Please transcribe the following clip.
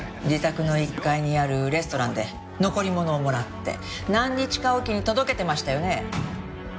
自宅の１階にあるレストランで残り物をもらって何日かおきに届けてましたよね。